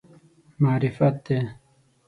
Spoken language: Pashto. معرفت دی.